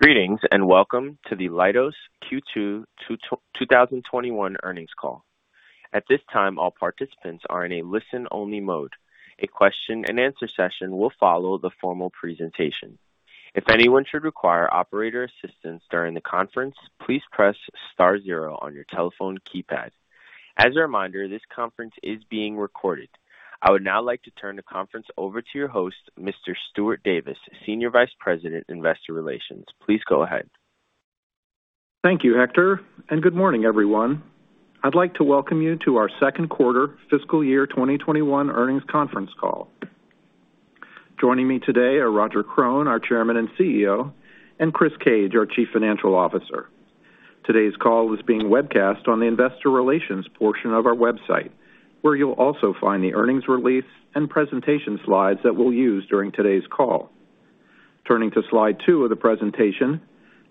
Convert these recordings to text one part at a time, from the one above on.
Greetings, and welcome to the Leidos Q2 2021 Earnings Call. At this time, all participants are in a listen-only mode. A question-and-answer session will follow the formal presentation. If anyone should require operator assistance during the conference, please press star zero on your telephone keypad. As a reminder, this conference is being recorded. I would now like to turn the conference over to your host, Mr. Stuart Davis, Senior Vice President, Investor Relations. Please go ahead. Thank you, Hector. Good morning, everyone. I'd like to welcome you to our second quarter fiscal year 2021 earnings conference call. Joining me today are Roger Krone, our Chairman and CEO, and Chris Cage, our Chief Financial Officer. Today's call is being webcast on the investor relations portion of our website, where you'll also find the earnings release and presentation slides that we'll use during today's call. Turning to slide two of the presentation,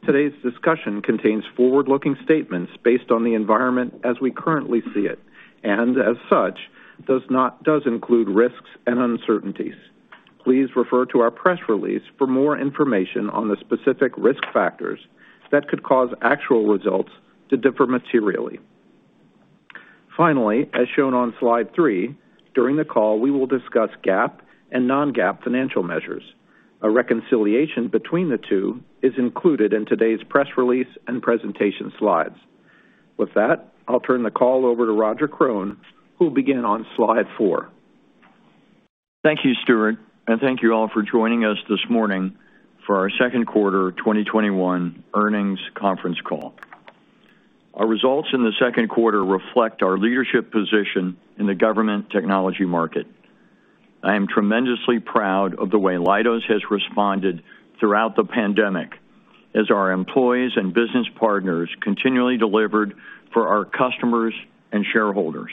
today's discussion contains forward-looking statements based on the environment as we currently see it, and as such, does include risks and uncertainties. Please refer to our press release for more information on the specific risk factors that could cause actual results to differ materially. Finally, as shown on slide three, during the call, we will discuss GAAP and non-GAAP financial measures. A reconciliation between the two is included in today's press release and presentation slides. With that, I'll turn the call over to Roger Krone, who'll begin on slide four. Thank you, Stuart, and thank you all for joining us this morning for our second quarter 2021 earnings conference call. Our results in the second quarter reflect our leadership position in the government technology market. I am tremendously proud of the way Leidos has responded throughout the pandemic as our employees and business partners continually delivered for our customers and shareholders.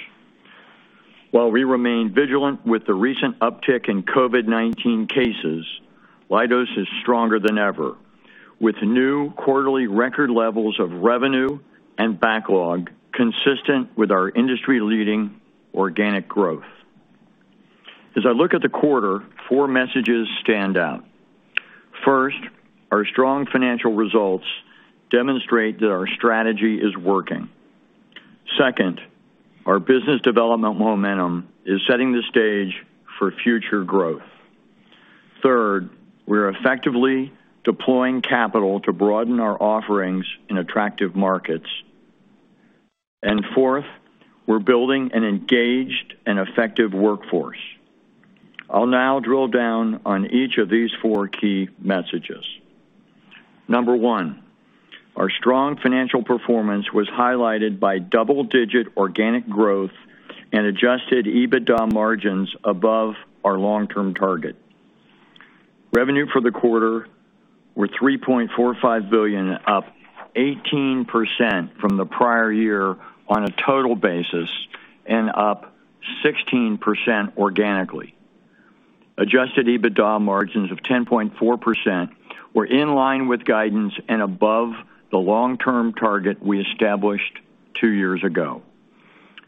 While we remain vigilant with the recent uptick in COVID-19 cases, Leidos is stronger than ever, with new quarterly record levels of revenue and backlog consistent with our industry-leading organic growth. As I look at the quarter, four messages stand out. First, our strong financial results demonstrate that our strategy is working. Second, our business development momentum is setting the stage for future growth. Third, we're effectively deploying capital to broaden our offerings in attractive markets. Fourth, we're building an engaged and effective workforce. I'll now drill down on each of these four key messages. Number one, our strong financial performance was highlighted by double-digit organic growth and adjusted EBITDA margins above our long-term target. Revenue for the quarter were $3.45 billion, up 18% from the prior year on a total basis and up 16% organically. Adjusted EBITDA margins of 10.4% were in line with guidance and above the long-term target we established two years ago.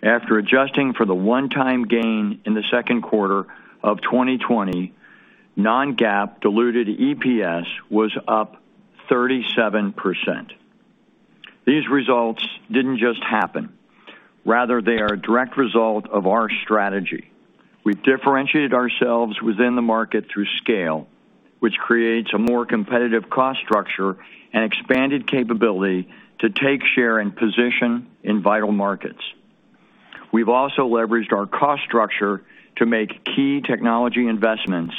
After adjusting for the one-time gain in the second quarter of 2020, non-GAAP diluted EPS was up 37%. These results didn't just happen. Rather, they are a direct result of our strategy. We've differentiated ourselves within the market through scale, which creates a more competitive cost structure and expanded capability to take share and position in vital markets. We've also leveraged our cost structure to make key technology investments,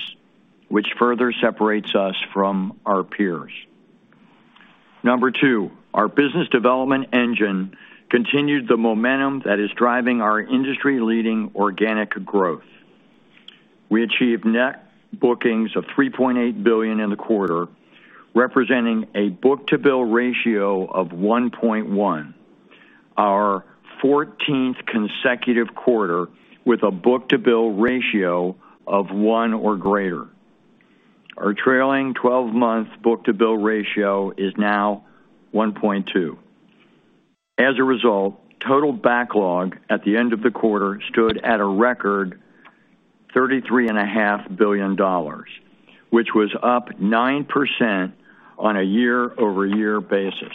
which further separates us from our peers. Number two, our business development engine continued the momentum that is driving our industry-leading organic growth. We achieved net bookings of $3.8 billion in the quarter, representing a book-to-bill ratio of 1.1, our 14th consecutive quarter with a book-to-bill ratio of 1 or greater. Our trailing 12-month book-to-bill ratio is now 1.2. Total backlog at the end of the quarter stood at a record $33.5 billion, which was up 9% on a year-over-year basis.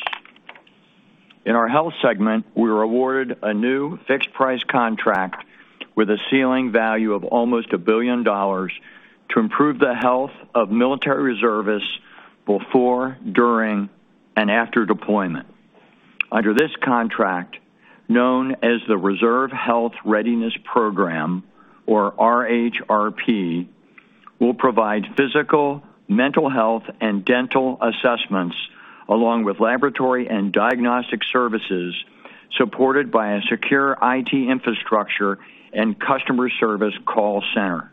In our health segment, we were awarded a new fixed-price contract with a ceiling value of almost $1 billion to improve the health of military reservists before, during, and after deployment. Under this contract, known as the Reserve Health Readiness Program, or RHRP, we'll provide physical, mental health, and dental assessments, along with laboratory and diagnostic services, supported by a secure IT infrastructure and customer service call center.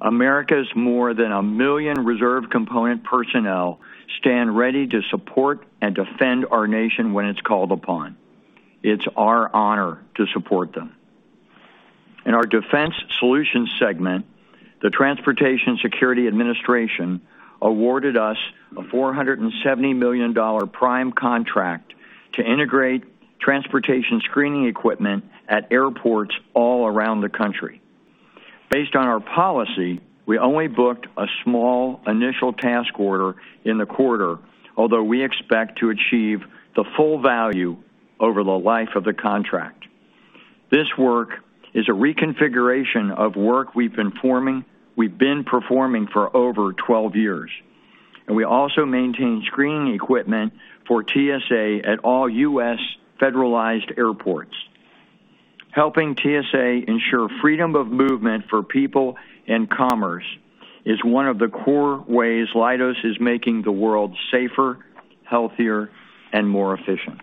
America's more than one million reserve component personnel stand ready to support and defend our nation when it's called upon. It's our honor to support them. In our Defense Solutions segment, the Transportation Security Administration awarded us a $470 million prime contract to integrate transportation screening equipment at airports all around the country. Based on our policy, we only booked a small initial task order in the quarter, although we expect to achieve the full value over the life of the contract. This work is a reconfiguration of work we've been performing for over 12 years, and we also maintain screening equipment for TSA at all U.S. federalized airports. Helping TSA ensure freedom of movement for people and commerce is one of the core ways Leidos is making the world safer, healthier, and more efficient.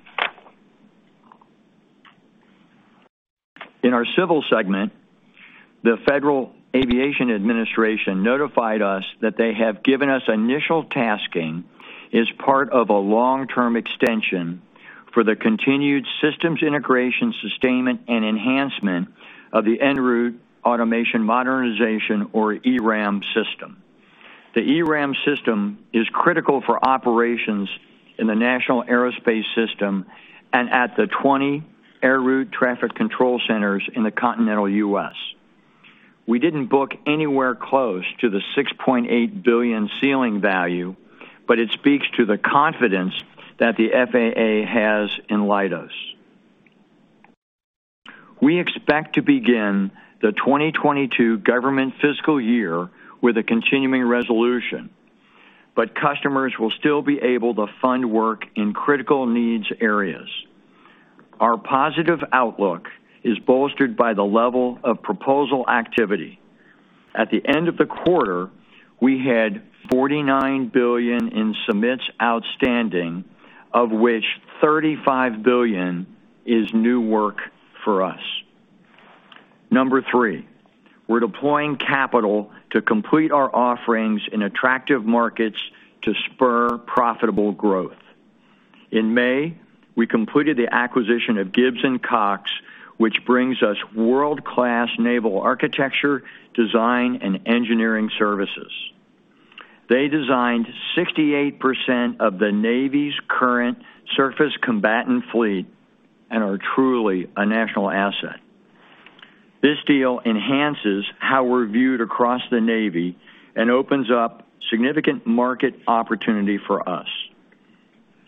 In our civil segment, the Federal Aviation Administration notified us that they have given us initial tasking as part of a long-term extension for the continued systems integration, sustainment, and enhancement of the En Route Automation Modernization, or ERAM system. The ERAM system is critical for operations in the National Airspace System and at the 20 air route traffic control centers in the continental U.S. We didn't book anywhere close to the $6.8 billion ceiling value, but it speaks to the confidence that the FAA has in Leidos. We expect to begin the 2022 government fiscal year with a continuing resolution, but customers will still be able to fund work in critical needs areas. Our positive outlook is bolstered by the level of proposal activity. At the end of the quarter, we had $49 billion in submits outstanding, of which $35 billion is new work for us. Number three, we're deploying capital to complete our offerings in attractive markets to spur profitable growth. In May, we completed the acquisition of Gibbs & Cox, which brings us world-class naval architecture, design, and engineering services. They designed 68% of the Navy's current surface combatant fleet and are truly a national asset. This deal enhances how we're viewed across the Navy and opens up significant market opportunity for us.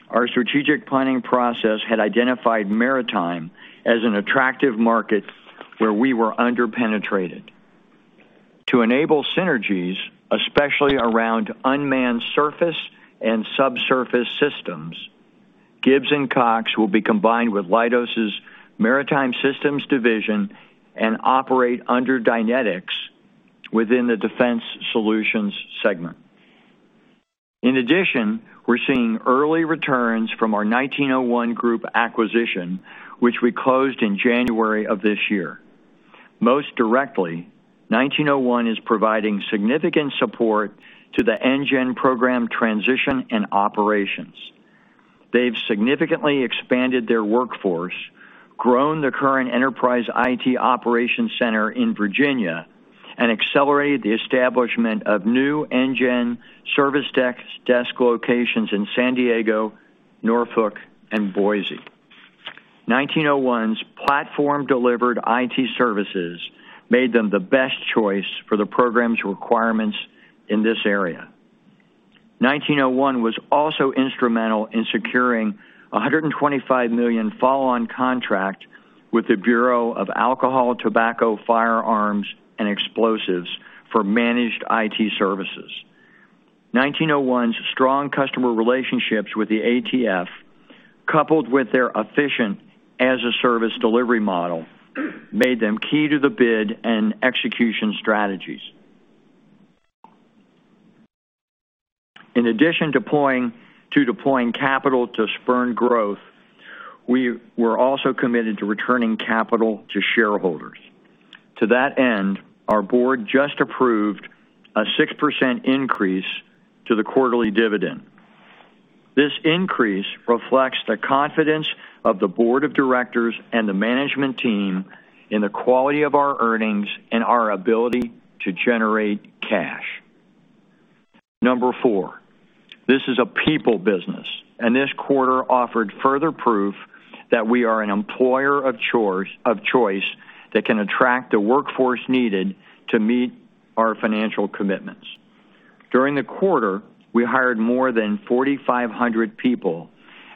Our strategic planning process had identified maritime as an attractive market where we were under-penetrated. To enable synergies, especially around unmanned surface and subsurface systems, Gibbs & Cox will be combined with Leidos' Maritime Systems Division and operate under Dynetics within the Defense Solutions segment. In addition, we're seeing early returns from our 1901 Group acquisition, which we closed in January of this year. Most directly, 1901 is providing significant support to the NGEN program transition and operations. They've significantly expanded their workforce, grown the current enterprise IT operations center in Virginia, accelerated the establishment of new NGEN service desk locations in San Diego, Norfolk, and Boise. 1901's platform-delivered IT services made them the best choice for the program's requirements in this area. 1901 was also instrumental in securing a $125 million follow-on contract with the Bureau of Alcohol, Tobacco, Firearms and Explosives for managed IT services. 1901's strong customer relationships with the ATF, coupled with their efficient as-a-service delivery model, made them key to the bid and execution strategies. In addition to deploying capital to spur growth, we're also committed to returning capital to shareholders. To that end, our board just approved a 6% increase to the quarterly dividend. This increase reflects the confidence of the board of directors and the management team in the quality of our earnings and our ability to generate cash. Number four, this is a people business, and this quarter offered further proof that we are an employer of choice that can attract the workforce needed to meet our financial commitments. During the quarter, we hired more than 4,500 people,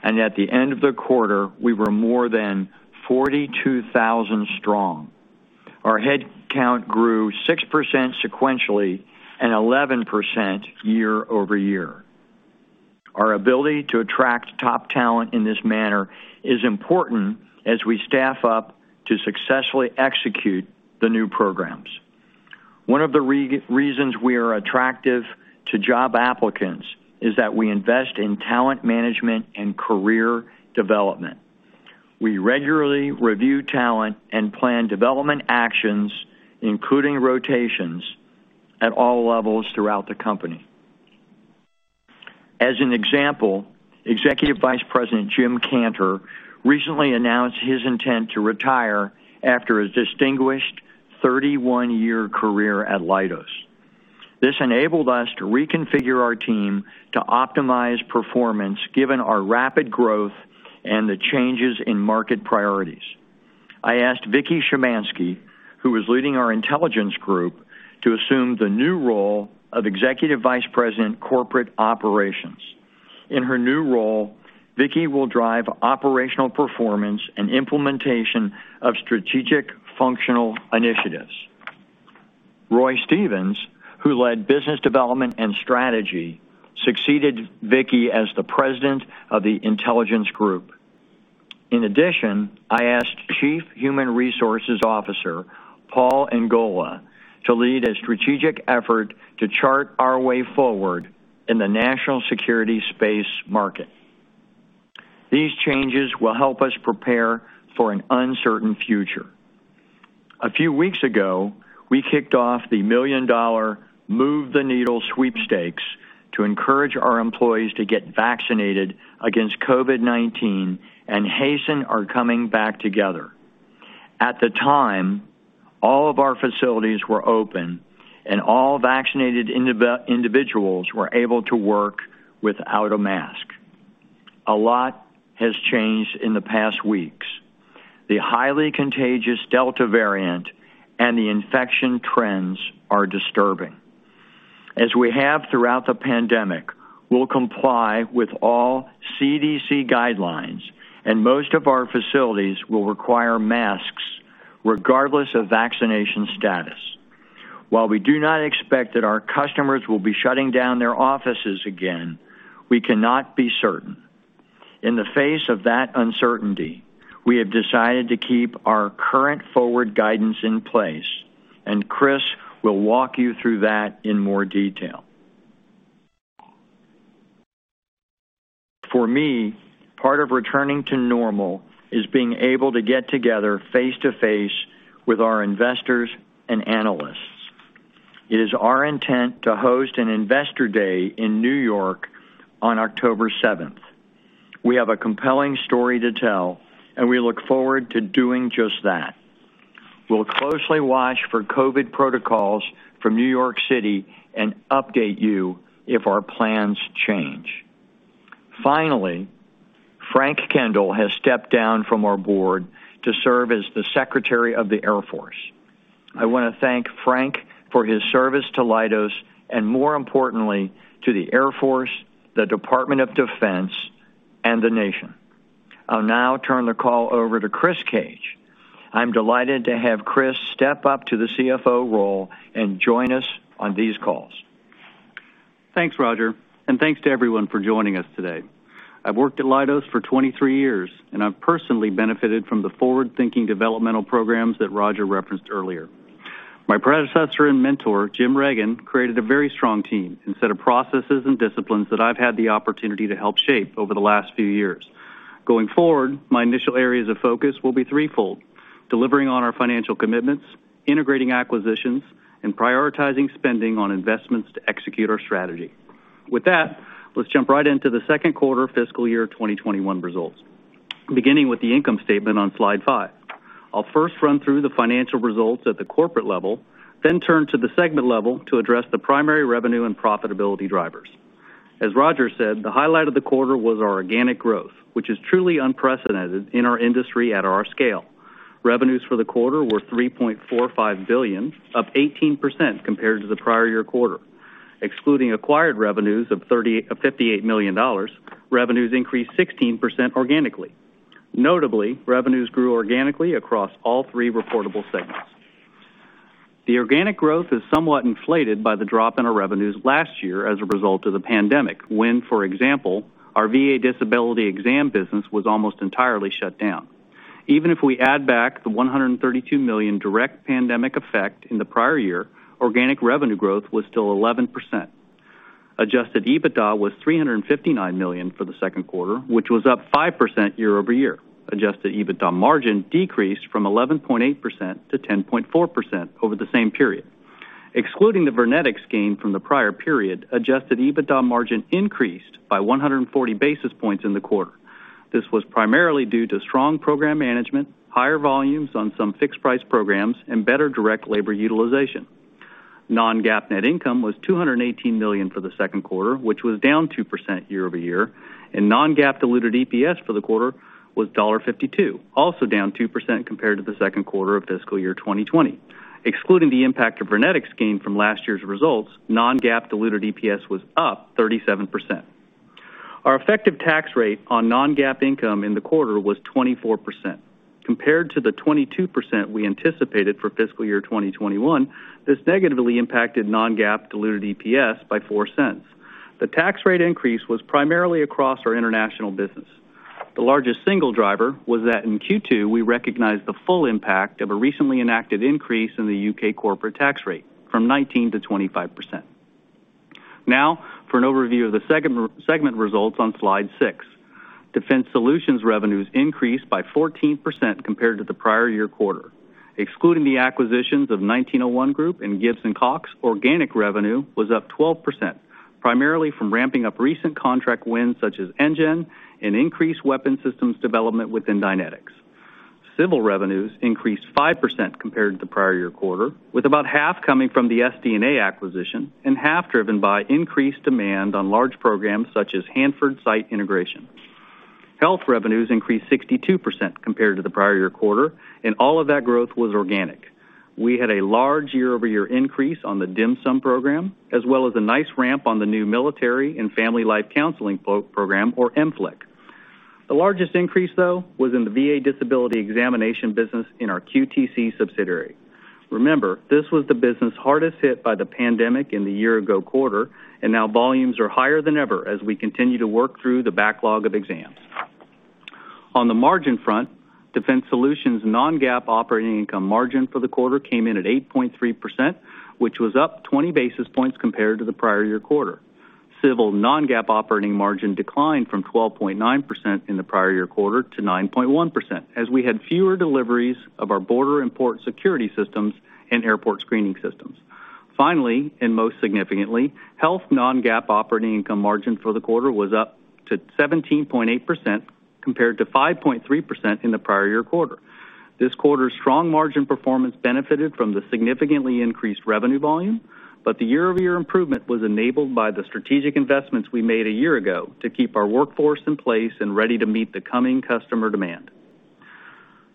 and at the end of the quarter, we were more than 42,000 strong. Our head count grew 6% sequentially and 11% year-over-year. Our ability to attract top talent in this manner is important as we staff up to successfully execute the new programs. One of the reasons we are attractive to job applicants is that we invest in talent management and career development. We regularly review talent and plan development actions, including rotations at all levels throughout the company. As an example, Executive Vice President Jim Cantor recently announced his intent to retire after a distinguished 31-year career at Leidos. This enabled us to reconfigure our team to optimize performance given our rapid growth and the changes in market priorities. I asked Vicki Schmanske, who was leading our Intelligence Group, to assume the new role of Executive Vice President, Corporate Operations. In her new role, Vicki will drive operational performance and implementation of strategic functional initiatives. Roy Stevens, who led business development and strategy, succeeded Vicki as the President of the Intelligence Group. In addition, I asked Chief Human Resources Officer, Paul Engola, to lead a strategic effort to chart our way forward in the national security space market. These changes will help us prepare for an uncertain future. A few weeks ago, we kicked off the million-dollar Move the Needle sweepstakes to encourage our employees to get vaccinated against COVID-19 and hasten our coming back together. At the time, all of our facilities were open and all vaccinated individuals were able to work without a mask. A lot has changed in the past weeks. The highly contagious Delta variant and the infection trends are disturbing. As we have throughout the pandemic, we'll comply with all CDC guidelines, and most of our facilities will require masks regardless of vaccination status. While we do not expect that our customers will be shutting down their offices again, we cannot be certain. In the face of that uncertainty, we have decided to keep our current forward guidance in place, and Chris will walk you through that in more detail. For me, part of returning to normal is being able to get together face-to-face with our investors and analysts. It is our intent to host an investor day in New York on October 7th. We have a compelling story to tell, and we look forward to doing just that. We'll closely watch for COVID protocols from New York City and update you if our plans change. Frank Kendall has stepped down from our board to serve as the Secretary of the Air Force. I want to thank Frank for his service to Leidos, and more importantly, to the Air Force, the Department of Defense, and the nation. I'll now turn the call over to Chris Cage. I'm delighted to have Chris step up to the CFO role and join us on these calls. Thanks, Roger, and thanks to everyone for joining us today. I've worked at Leidos for 23 years, and I've personally benefited from the forward-thinking developmental programs that Roger referenced earlier. My predecessor and mentor, Jim Reagan, created a very strong team and set of processes and disciplines that I've had the opportunity to help shape over the last few years. Going forward, my initial areas of focus will be threefold: delivering on our financial commitments, integrating acquisitions, and prioritizing spending on investments to execute our strategy. With that, let's jump right into the second quarter fiscal year 2021 results. Beginning with the income statement on slide five. I'll first run through the financial results at the corporate level, then turn to the segment level to address the primary revenue and profitability drivers. As Roger said, the highlight of the quarter was our organic growth, which is truly unprecedented in our industry at our scale. Revenues for the quarter were $3.45 billion, up 18% compared to the prior year quarter. Excluding acquired revenues of $58 million, revenues increased 16% organically. Notably, revenues grew organically across all three reportable segments. The organic growth is somewhat inflated by the drop in our revenues last year as a result of the pandemic, when, for example, our VA disability exam business was almost entirely shut down. Even if we add back the $132 million direct pandemic effect in the prior year, organic revenue growth was still 11%. Adjusted EBITDA was $359 million for the second quarter, which was up 5% year-over-year. Adjusted EBITDA margin decreased from 11.8% to 10.4% over the same period. Excluding the VirnetX gain from the prior period, adjusted EBITDA margin increased by 140 basis points in the quarter. This was primarily due to strong program management, higher volumes on some fixed price programs, and better direct labor utilization. non-GAAP net income was $218 million for the second quarter, which was down 2% year-over-year, and non-GAAP diluted EPS for the quarter was $1.52, also down 2% compared to the second quarter of fiscal year 2020. Excluding the impact of VirnetX gain from last year's results, non-GAAP diluted EPS was up 37%. Our effective tax rate on non-GAAP income in the quarter was 24%, compared to the 22% we anticipated for fiscal year 2021. This negatively impacted non-GAAP diluted EPS by $0.04. The tax rate increase was primarily across our international business. The largest single driver was that in Q2, we recognized the full impact of a recently enacted increase in the U.K. corporate tax rate from 19% to 25%. For an overview of the segment results on slide six. Defense Solutions revenues increased by 14% compared to the prior year quarter. Excluding the acquisitions of 1901 Group and Gibbs & Cox, organic revenue was up 12%, primarily from ramping up recent contract wins such as NGEN and increased weapon systems development within Dynetics. Civil revenues increased 5% compared to the prior year quarter, with about half coming from the SD&A acquisition and half driven by increased demand on large programs such as Hanford Site Integration. Health revenues increased 62% compared to the prior year quarter, all of that growth was organic. We had a large year-over-year increase on the DHMSM program, as well as a nice ramp on the new Military and Family Life Counseling program, or MFLC. The largest increase, though, was in the VA disability examination business in our QTC subsidiary. Remember, this was the business hardest hit by the pandemic in the year-ago quarter. Now volumes are higher than ever as we continue to work through the backlog of exams. On the margin front, Defense Solutions non-GAAP operating income margin for the quarter came in at 8.3%, which was up 20 basis points compared to the prior year quarter. Civil non-GAAP operating margin declined from 12.9% in the prior year quarter to 9.1%, as we had fewer deliveries of our border import security systems and airport screening systems. Finally, most significantly, health non-GAAP operating income margin for the quarter was up to 17.8%, compared to 5.3% in the prior year quarter. This quarter's strong margin performance benefited from the significantly increased revenue volume, the year-over-year improvement was enabled by the strategic investments we made a year ago to keep our workforce in place and ready to meet the coming customer demand.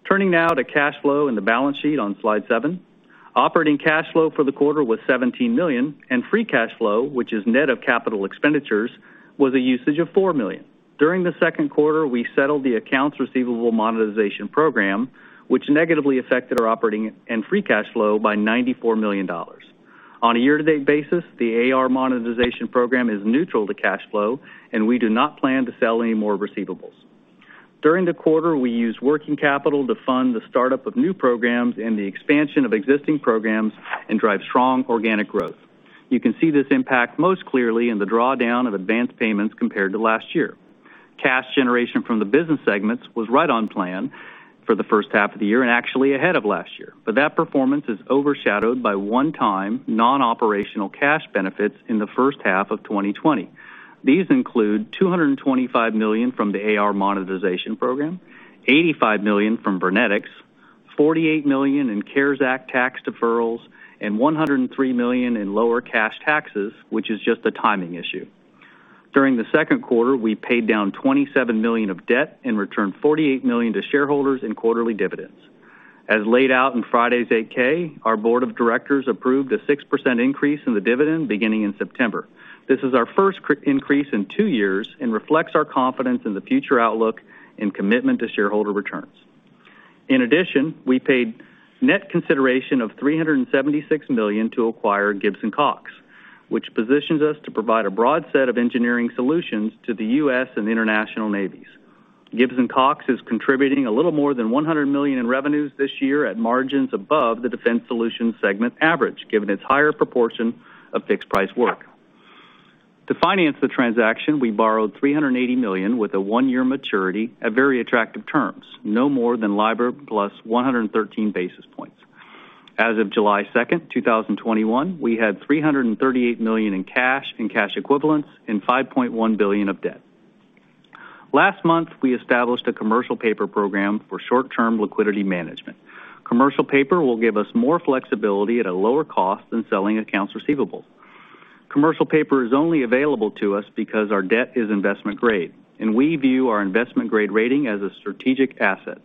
Turning now to cash flow and the balance sheet on slide seven. Operating cash flow for the quarter was $17 million, free cash flow, which is net of capital expenditures, was a usage of $4 million. During the second quarter, we settled the accounts receivable monetization program, which negatively affected our operating and free cash flow by $94 million. On a year-to-date basis, the AR monetization program is neutral to cash flow, we do not plan to sell any more receivables. During the quarter, we used working capital to fund the startup of new programs and the expansion of existing programs and drive strong organic growth. You can see this impact most clearly in the drawdown of advanced payments compared to last year. Cash generation from the business segments was right on plan for the first half of the year and actually ahead of last year. That performance is overshadowed by one-time, non-operational cash benefits in the first half of 2020. These include $225 million from the AR monetization program, $85 million from VirnetX, $48 million in CARES Act tax deferrals, and $103 million in lower cash taxes, which is just a timing issue. During the second quarter, we paid down $27 million of debt and returned $48 million to shareholders in quarterly dividends. As laid out in Friday's 8-K, our board of directors approved a 6% increase in the dividend beginning in September. This is our first increase in two years and reflects our confidence in the future outlook and commitment to shareholder returns. We paid net consideration of $376 million to acquire Gibbs & Cox, which positions us to provide a broad set of engineering solutions to the U.S. and international navies. Gibbs & Cox is contributing a little more than $100 million in revenues this year at margins above the Defense Solutions segment average, given its higher proportion of fixed-price work. To finance the transaction, we borrowed $380 million with a one-year maturity at very attractive terms, no more than LIBOR plus 113 basis points. As of July 2nd, 2021, we had $338 million in cash and cash equivalents and $5.1 billion of debt. Last month, we established a commercial paper program for short-term liquidity management. Commercial paper will give us more flexibility at a lower cost than selling accounts receivable. Commercial paper is only available to us because our debt is investment grade, and we view our investment grade rating as a strategic asset.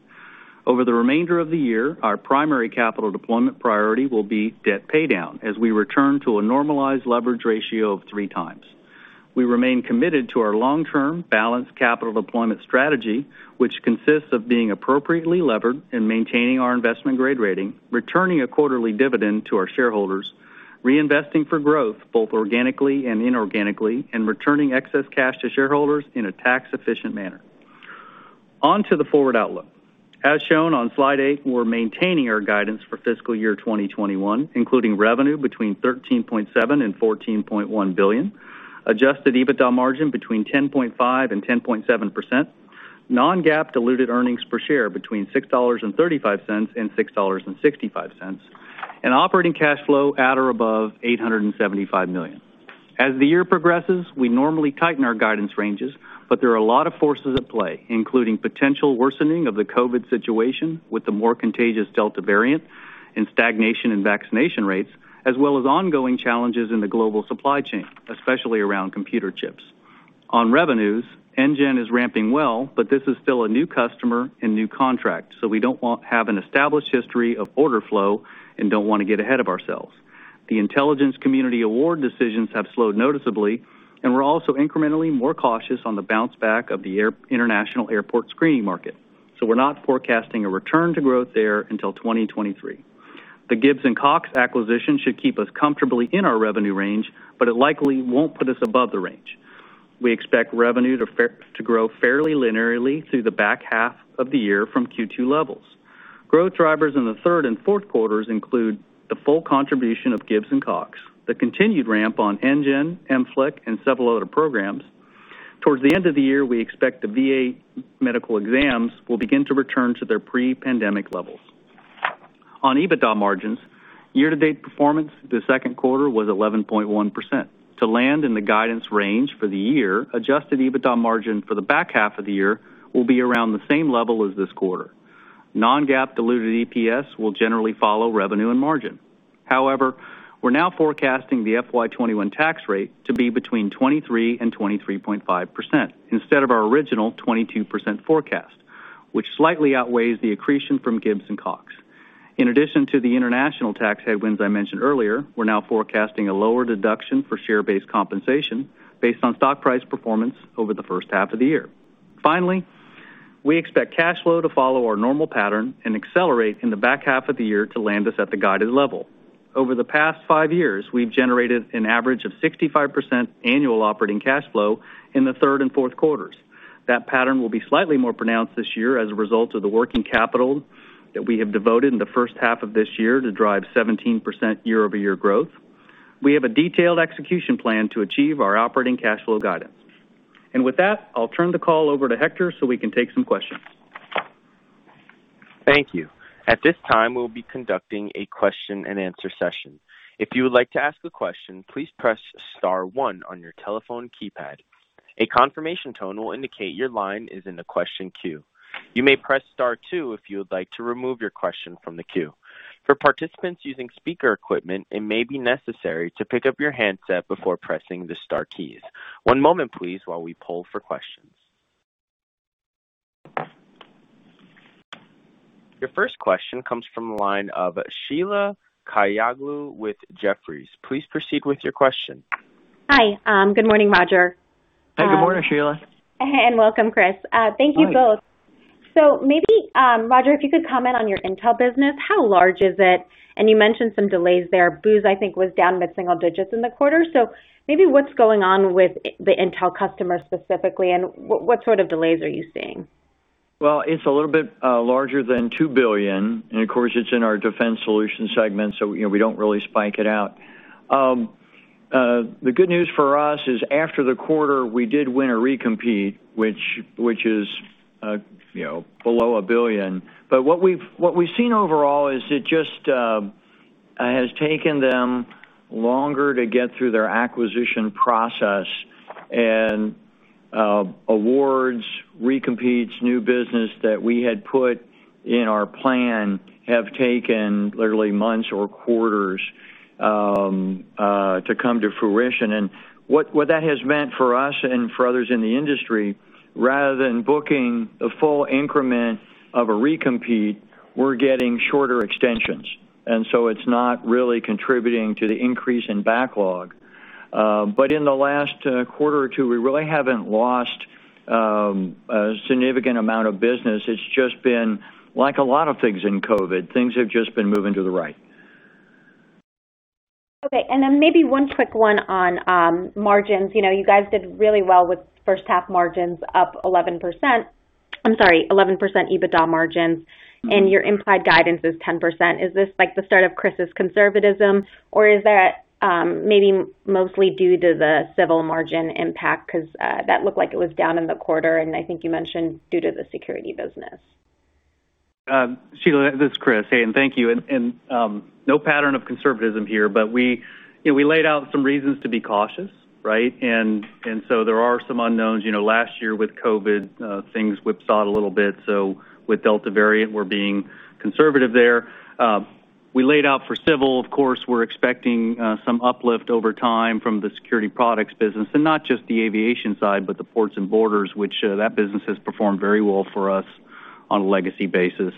Over the remainder of the year, our primary capital deployment priority will be debt paydown as we return to a normalized leverage ratio of three times. We remain committed to our long-term, balanced capital deployment strategy, which consists of being appropriately levered and maintaining our investment grade rating, returning a quarterly dividend to our shareholders, reinvesting for growth, both organically and inorganically, and returning excess cash to shareholders in a tax-efficient manner. On to the forward outlook. As shown on slide eight, we're maintaining our guidance for fiscal year 2021, including revenue between $13.7 billion and $14.1 billion, adjusted EBITDA margin between 10.5% and 10.7%, non-GAAP diluted earnings per share between $6.35 and $6.65, and operating cash flow at or above $875 million. As the year progresses, we normally tighten our guidance ranges, there are a lot of forces at play, including potential worsening of the COVID-19 situation with the more contagious Delta variant and stagnation in vaccination rates, as well as ongoing challenges in the global supply chain, especially around computer chips. On revenues, NGEN is ramping well, this is still a new customer and new contract, we don't have an established history of order flow and don't want to get ahead of ourselves. The intelligence community award decisions have slowed noticeably. We're also incrementally more cautious on the bounce back of the international airport screening market. We're not forecasting a return to growth there until 2023. The Gibbs & Cox acquisition should keep us comfortably in our revenue range. It likely won't put us above the range. We expect revenue to grow fairly linearly through the back half of the year from Q2 levels. Growth drivers in the third and fourth quarters include the full contribution of Gibbs & Cox, the continued ramp on NGEN, MFLC, and several other programs. Towards the end of the year, we expect the VA medical exams will begin to return to their pre-pandemic levels. On EBITDA margins, year-to-date performance the second quarter was 11.1%. To land in the guidance range for the year, adjusted EBITDA margin for the back half of the year will be around the same level as this quarter. Non-GAAP diluted EPS will generally follow revenue and margin. However, we're now forecasting the FY 2021 tax rate to be between 23 and 23.5%, instead of our original 22% forecast, which slightly outweighs the accretion from Gibbs & Cox. In addition to the international tax headwinds I mentioned earlier, we're now forecasting a lower deduction for share-based compensation based on stock price performance over the first half of the year. Finally, we expect cash flow to follow our normal pattern and accelerate in the back half of the year to land us at the guided level. Over the past five years, we've generated an average of 65% annual operating cash flow in the third and fourth quarters. That pattern will be slightly more pronounced this year as a result of the working capital that we have devoted in the first half of this year to drive 17% year-over-year growth. We have a detailed execution plan to achieve our operating cash flow guidance. With that, I'll turn the call over to Hector so we can take some questions. Thank you. At this time, we'll be conducting a question and answer session. One moment please while we poll for questions. Your first question comes from the line of Sheila Kahyaoglu with Jefferies. Please proceed with your question. Hi. Good morning, Roger. Hey, good morning, Sheila. Welcome, Chris. Thank you both. Hi. Maybe, Roger, if you could comment on your intel business, how large is it? You mentioned some delays there. Booz, I think, was down mid-single digits in the quarter. Maybe what's going on with the intel customer specifically, and what sort of delays are you seeing? Well, it's a little bit larger than $2 billion. Of course, it's in our Defense Solutions segment, we don't really spike it out. The good news for us is after the quarter, we did win a recompete, which is below $1 billion. What we've seen overall is it just has taken them longer to get through their acquisition process and awards, recompetes, new business that we had put in our plan have taken literally months or quarters to come to fruition. What that has meant for us and for others in the industry, rather than booking a full increment of a recompete, we're getting shorter extensions. It's not really contributing to the increase in backlog. In the last quarter or two, we really haven't lost a significant amount of business. It's just been, like a lot of things in COVID, things have just been moving to the right. Maybe one quick one on margins. You guys did really well with first half margins up 11%. I am sorry, 11% EBITDA margins, your implied guidance is 10%. Is this like the start of Chris' conservatism, or is that maybe mostly due to the Civil margin impact? That looked like it was down in the quarter, I think you mentioned due to the Security business. Sheila, this is Chris. Hey, thank you, no pattern of conservatism here, we laid out some reasons to be cautious, right? There are some unknowns. Last year with COVID-19, things whipsawed a little bit. With Delta variant, we're being conservative there. We laid out for civil, of course, we're expecting some uplift over time from the security products business. Not just the aviation side, but the ports and borders, which, that business has performed very well for us on a legacy basis.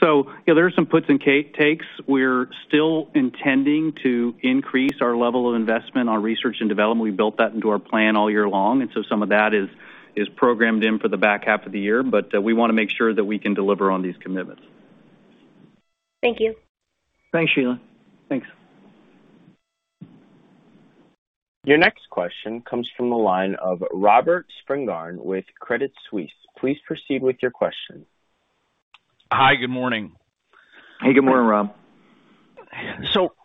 There are some puts and takes. We're still intending to increase our level of investment on research and development. We built that into our plan all year long, some of that is programmed in for the back half of the year. We want to make sure that we can deliver on these commitments. Thank you. Thanks, Sheila. Thanks. Your next question comes from the line of Robert Spingarn with Credit Suisse. Please proceed with your question. Hi, good morning. Hey, good morning, Robert.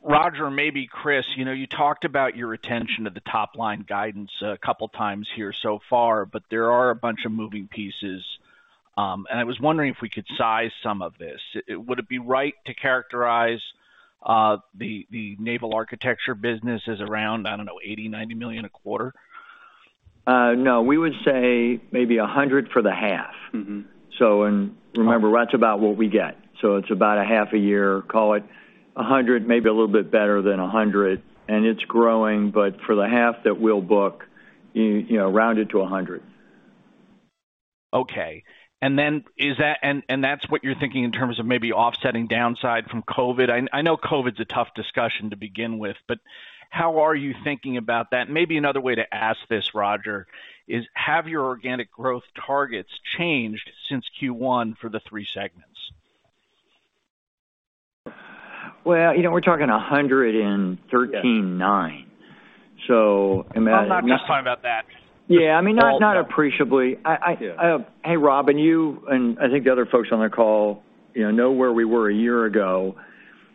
Roger, maybe Chris, you talked about your attention to the top-line guidance a couple times here so far, but there are a bunch of moving pieces. I was wondering if we could size some of this. Would it be right to characterize the naval architecture business as around, I don't know, $80 million-$90 million a quarter? No, we would say maybe $100 for the half. Remember, that's about what we get. It's about a half a year, call it $100, maybe a little bit better than $100, and it's growing. For the half that we'll book, round it to $100. Okay. That's what you're thinking in terms of maybe offsetting downside from COVID? I know COVID's a tough discussion to begin with, but how are you thinking about that? Maybe another way to ask this, Roger, is have your organic growth targets changed since Q1 for the three segments? Well, we're talking 139. I'm not talking about that. Yeah. I mean, not appreciably. Yeah. Hey, Robert, and you, and I think the other folks on the call know where we were a year ago.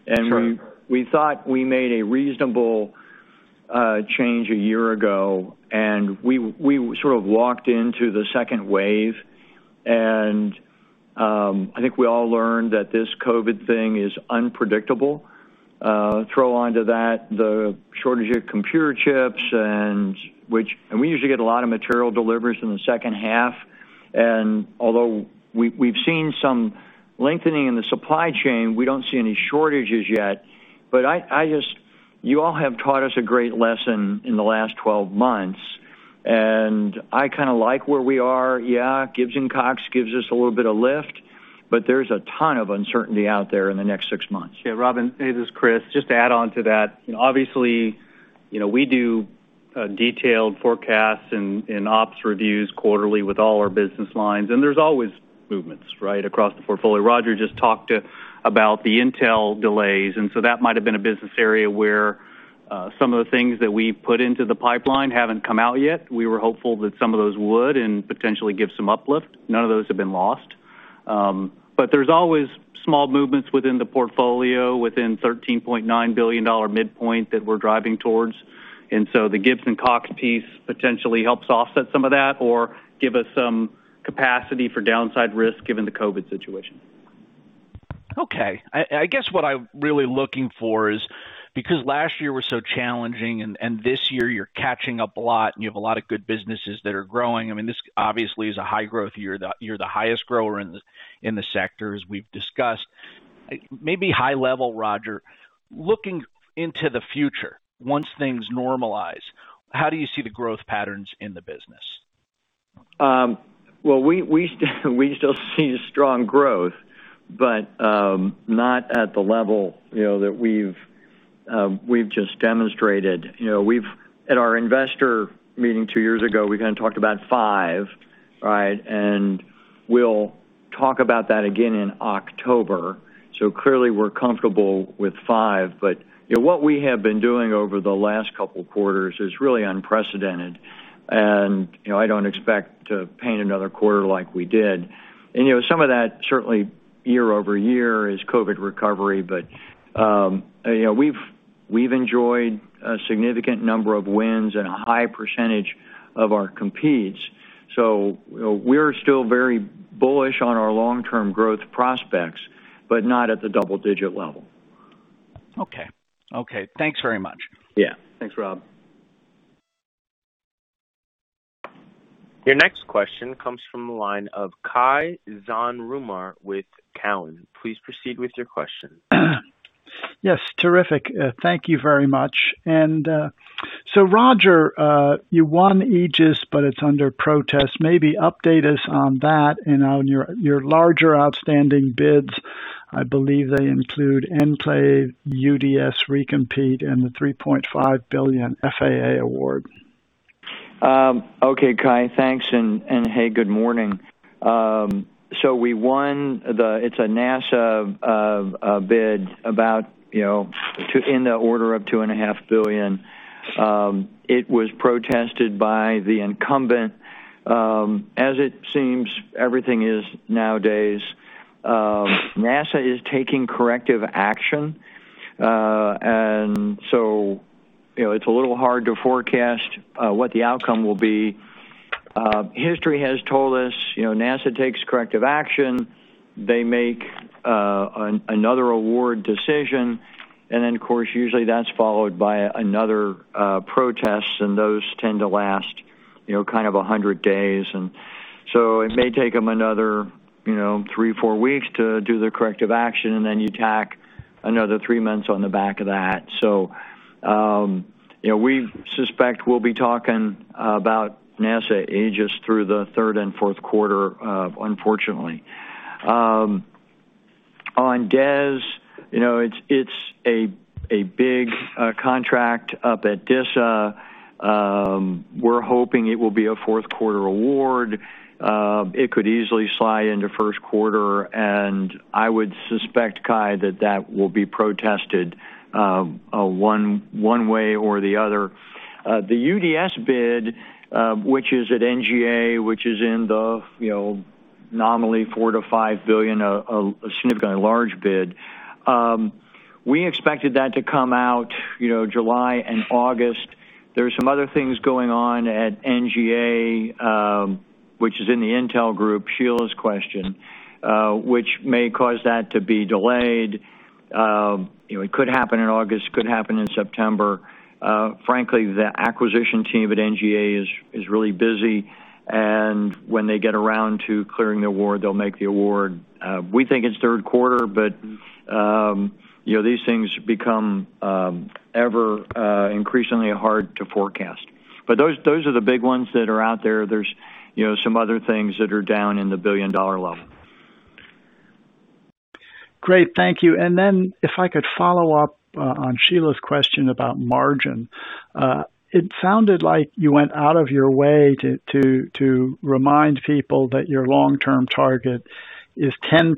And we thought we made a reasonable change a year ago. We sort of walked into the second wave. I think we all learned that this COVID thing is unpredictable. Throw onto that the shortage of computer chips. We usually get a lot of material deliveries in the second half. Although we've seen some lengthening in the supply chain, we don't see any shortages yet. You all have taught us a great lesson in the last 12 months. I kind of like where we are. Yeah, Gibbs & Cox gives us a little bit of lift. There's a ton of uncertainty out there in the next six months. Robert, hey, this is Chris. Just to add on to that, obviously, we do detailed forecasts and ops reviews quarterly with all our business lines, and there's always movements across the portfolio. Roger just talked about the Intel delays, and so that might have been a business area where some of the things that we put into the pipeline haven't come out yet. We were hopeful that some of those would and potentially give some uplift. None of those have been lost. There's always small movements within the portfolio, within $13.9 billion midpoint that we're driving towards. The Gibbs & Cox piece potentially helps offset some of that or give us some capacity for downside risk given the COVID situation. Okay. I guess what I'm really looking for is, because last year was so challenging and this year you're catching up a lot, and you have a lot of good businesses that are growing. I mean, this obviously is a high growth year. You're the highest grower in the sector, as we've discussed. Maybe high level, Roger, looking into the future, once things normalize, how do you see the growth patterns in the business? Well, we still see strong growth, but not at the level that we've just demonstrated. At our investor meeting two years ago, we kind of talked about 5%. We'll talk about that again in October. Clearly, we're comfortable with 5%. What we have been doing over the last couple quarters is really unprecedented, and I don't expect to paint another quarter like we did. Some of that certainly year-over-year is COVID recovery, but we've enjoyed a significant number of wins and a high percentage of our competes. We're still very bullish on our long-term growth prospects, but not at the double-digit level. Okay. Thanks very much. Yeah. Thanks, Robert. Your next question comes from the line of Cai von Rumohr with Cowen. Please proceed with your question. Yes, terrific. Thank you very much. Roger, you won AEGIS, but it's under protest. Maybe update us on that and on your larger outstanding bids. I believe they include Enclave, UDS recompete, and the $3.5 billion FAA award. Okay, Cai von Rumohr, thanks, and hey, good morning. It's a NASA bid about in the order of $2.5 billion. It was protested by the incumbent, as it seems everything is nowadays. NASA is taking corrective action, and so it's a little hard to forecast what the outcome will be. History has told us NASA takes corrective action. They make another award decision, and then, of course, usually that's followed by another protest, and those tend to last kind of 100 days. It may take them another three, four weeks to do the corrective action, and then you tack another three months on the back of that. We suspect we'll be talking about NASA AEGIS through the third and fourth quarter, unfortunately. On DES, it's a big contract up at DISA. We're hoping it will be a fourth quarter award. It could easily slide into first quarter, and I would suspect, Cai, that that will be protested one way or the other. The UDS bid, which is at NGA, which is in the nominally $4 billion-$5 billion, a significantly large bid. We expected that to come out July and August. There are some other things going on at NGA, which is in the Intelligence Group, Sheila's question, which may cause that to be delayed. It could happen in August, could happen in September. Frankly, the acquisition team at NGA is really busy, and when they get around to clearing the award, they'll make the award. We think it's third quarter, but these things become ever increasingly hard to forecast. Those are the big ones that are out there. There's some other things that are down in the $1 billion level. Great. Thank you. If I could follow up on Sheila's question about margin. It sounded like you went out of your way to remind people that your long-term target is 10%,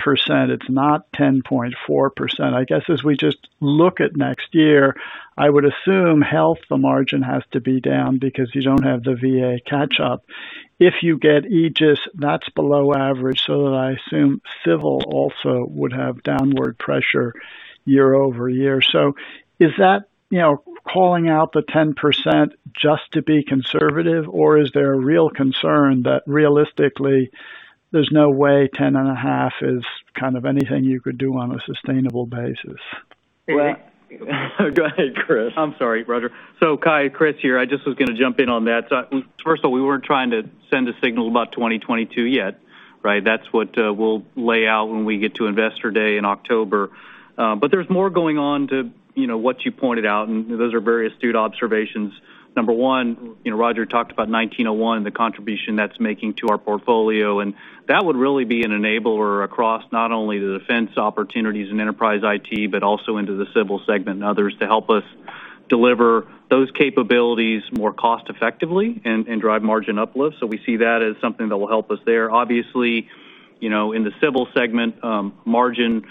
it's not 10.4%. I guess as we just look at next year, I would assume health, the margin has to be down because you don't have the VA catch-up. If you get AEGIS, that's below average, I assume Civil also would have downward pressure year-over-year. Is that calling out the 10% just to be conservative, or is there a real concern that realistically there's no way 10.5% is kind of anything you could do on a sustainable basis? Well- Go ahead, Chris. I'm sorry, Roger. Cai, Chris here. I just was going to jump in on that. First of all, we weren't trying to send a signal about 2022 yet, right? That's what we'll lay out when we get to Investor Day in October. There's more going on to what you pointed out, and those are various due observations. Number one, Roger talked about 1901 and the contribution that's making to our portfolio, and that would really be an enabler across not only the defense opportunities in Enterprise IT, but also into the Civil segment and others to help us deliver those capabilities more cost effectively and drive margin uplifts. We see that as something that will help us there. Obviously, in the Civil segment, margin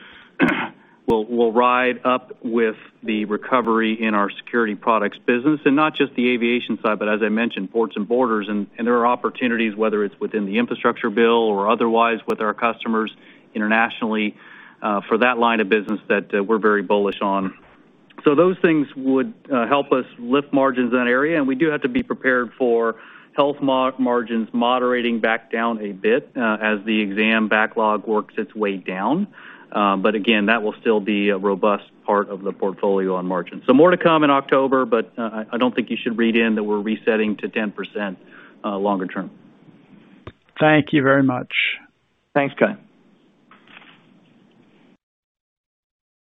will ride up with the recovery in our security products business, not just the aviation side, but as I mentioned, ports and borders. There are opportunities, whether it's within the infrastructure bill or otherwise with our customers internationally, for that line of business that we're very bullish on. Those things would help us lift margins in that area, and we do have to be prepared for health margins moderating back down a bit as the exam backlog works its way down. Again, that will still be a robust part of the portfolio on margin. More to come in October, but I don't think you should read in that we're resetting to 10% longer term. Thank you very much. Thanks, Cai.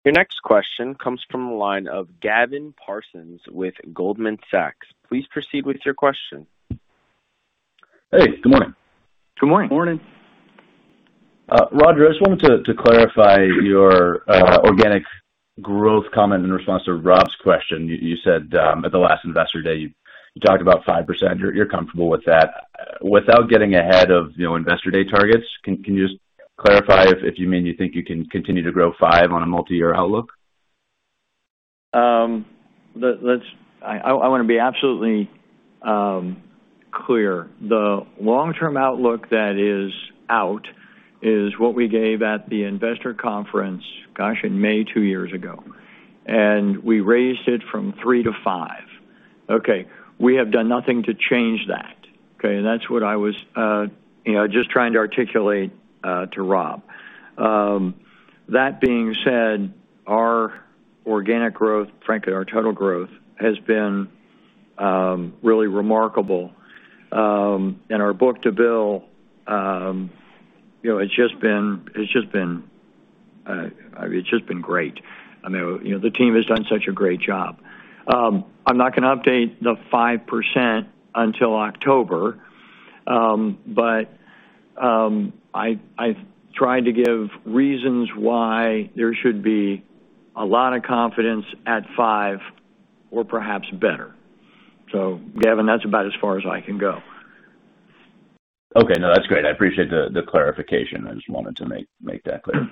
Your next question comes from the line of Gavin Parsons with Goldman Sachs. Please proceed with your question. Hey, good morning. Good morning. Morning. Roger, I just wanted to clarify your organic growth comment in response to Rob's question. You said at the last Investor Day, you talked about 5%. You're comfortable with that. Without getting ahead of Investor Day targets, can you just clarify if you mean you think you can continue to grow five on a multi-year outlook? I want to be absolutely clear. The long-term outlook that is out is what we gave at the investor conference, gosh, in May two years ago. We raised it from three to five. Okay. We have done nothing to change that. Okay. That's what I was just trying to articulate to Rob. That being said, our organic growth, frankly, our total growth, has been really remarkable. Our book-to-bill, it's just been great. The team has done such a great job. I'm not going to update the 5% until October, but I've tried to give reasons why there should be a lot of confidence at five or perhaps better. Gavin, that's about as far as I can go. Okay. No, that's great. I appreciate the clarification. I just wanted to make that clear.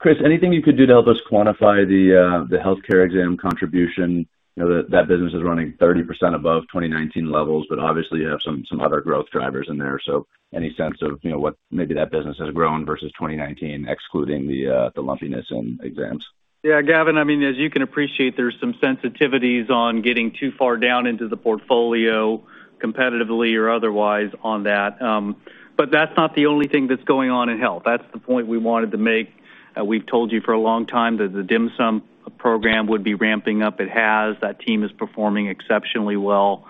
Chris, anything you could do to help us quantify the healthcare exam contribution? That business is running 30% above 2019 levels, obviously you have some other growth drivers in there. Any sense of what maybe that business has grown versus 2019, excluding the lumpiness in exams? Yeah, Gavin, as you can appreciate, there's some sensitivities on getting too far down into the portfolio competitively or otherwise on that. That's not the only thing that's going on in health. That's the point we wanted to make. We've told you for a long time that the DHMSM program would be ramping up. It has. That team is performing exceptionally well.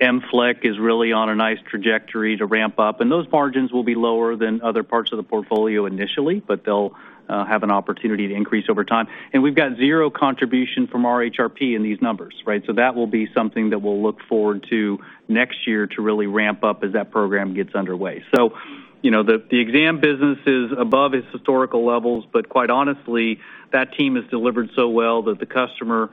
MFLC is really on a nice trajectory to ramp up, and those margins will be lower than other parts of the portfolio initially, but they'll have an opportunity to increase over time. We've got zero contribution from our RHRP in these numbers, right? That will be something that we'll look forward to next year to really ramp up as that program gets underway. The exam business is above its historical levels, but quite honestly, that team has delivered so well that the customer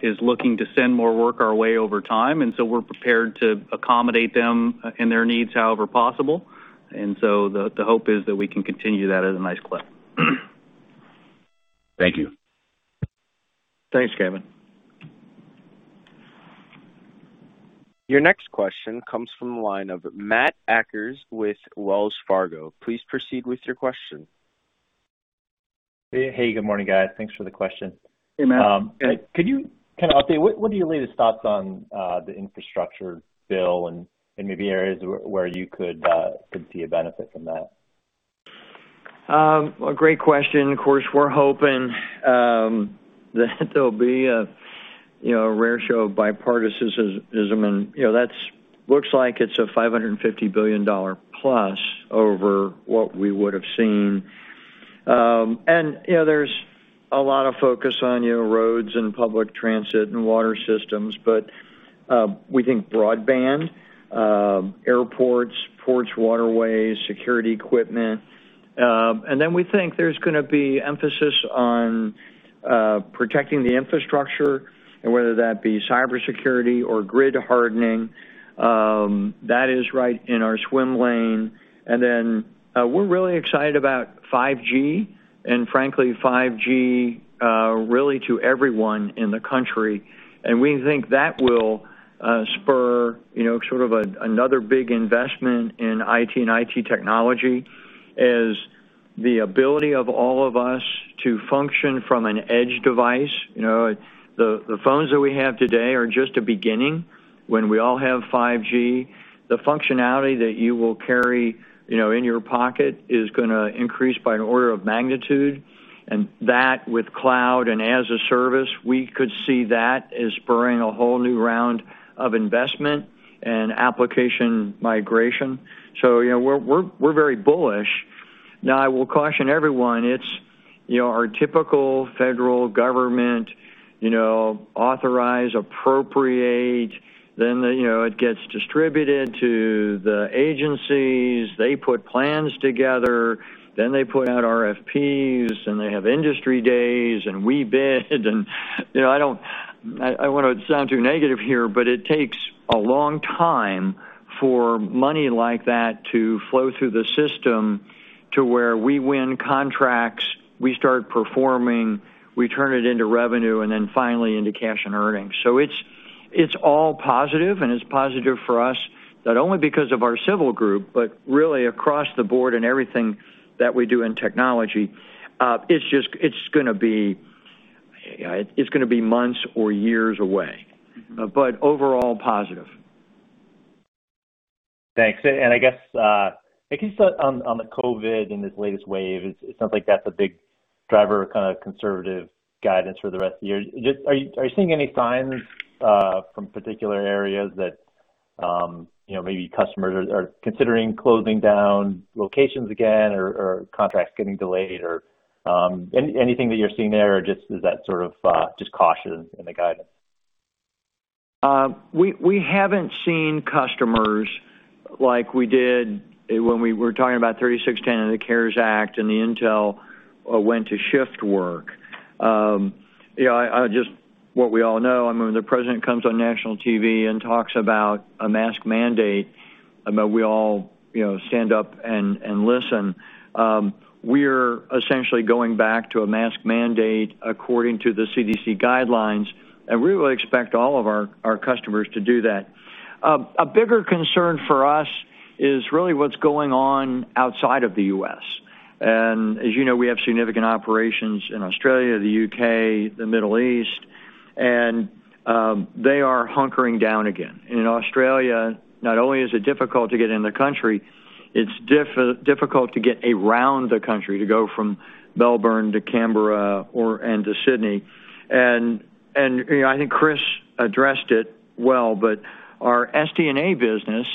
is looking to send more work our way over time. We're prepared to accommodate them and their needs however possible. The hope is that we can continue that at a nice clip. Thank you. Thanks, Gavin. Your next question comes from the line of Matthew Akers with Wells Fargo. Please proceed with your question. Hey, good morning, guys. Thanks for the question. Hey, Matt. Can you update, what are your latest thoughts on the infrastructure bill and maybe areas where you could see a benefit from that? A great question. Of course, we're hoping that there'll be a rare show of bipartisan. That looks like it's a $550 billion-plus over what we would have seen. There's a lot of focus on roads and public transit and water systems, but we think broadband, airports, ports, waterways, security equipment. We think there's going to be emphasis on protecting the infrastructure, and whether that be cybersecurity or grid hardening. That is right in our swim lane. We're really excited about 5G, and frankly, 5G really to everyone in the country. We think that will spur sort of another big investment in IT and IT technology as The ability of all of us to function from an edge device. The phones that we have today are just a beginning. When we all have 5G, the functionality that you will carry in your pocket is going to increase by an order of magnitude. That, with cloud and as a service, we could see that as spurring a whole new round of investment and application migration. We're very bullish. I will caution everyone, our typical federal government authorize, appropriate, then it gets distributed to the agencies. They put plans together. They put out RFPs, and they have industry days, and we bid. I don't want to sound too negative here, it takes a long time for money like that to flow through the system to where we win contracts, we start performing, we turn it into revenue, and then finally into cash and earnings. It's all positive, and it's positive for us, not only because of our civil group, but really across the board in everything that we do in technology. It's just going to be months or years away. Overall, positive. Thanks. I guess, on the COVID and this latest wave, it sounds like that's a big driver of conservative guidance for the rest of the year. Are you seeing any signs from particular areas that maybe customers are considering closing down locations again or contracts getting delayed? Anything that you're seeing there, is that just caution in the guidance? We haven't seen customers like we did when we were talking about 3610 and the CARES Act, and the intel went to shift work. What we all know, the president comes on national TV and talks about a mask mandate, we all stand up and listen. We're essentially going back to a mask mandate according to the CDC guidelines, and we would expect all of our customers to do that. A bigger concern for us is really what's going on outside of the U.S. As you know, we have significant operations in Australia, the U.K., the Middle East, and they are hunkering down again. In Australia, not only is it difficult to get in the country, it's difficult to get around the country, to go from Melbourne to Canberra and to Sydney. I think Chris addressed it well, but our SD&A business,